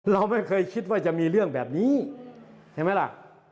เราไม่เคยคิดว่าจะมีเรื่องแบบนี้ใช่ไหมล่ะ